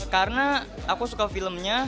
karena aku suka filmnya